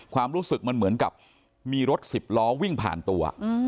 ความรู้สึกมันเหมือนกับมีรถสิบล้อวิ่งผ่านตัว